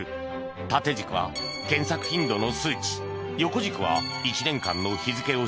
縦軸は検索頻度の数値横軸は１年間の日付を示している